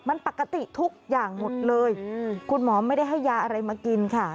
มันปกติทุกอย่างหมดเลยคุณหมอไม่ได้ให้ยาอะไรมากินค่ะ